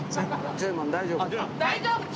ジョイマン大丈夫？